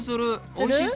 おいしそう。